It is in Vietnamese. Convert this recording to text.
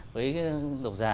với độc giả